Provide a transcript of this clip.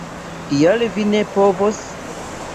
Kial vi ne povos?